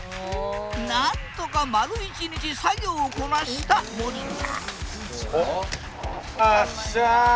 なんとか丸一日作業をこなした森田よっしゃ！